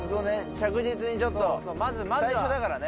着実にちょっと最初だからね